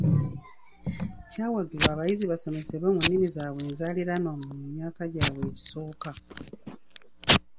Kyawagirwa abayizi basomesebwe mu nnimi zaabwe enzaaliranwa mu myaka gyabwe egisooka.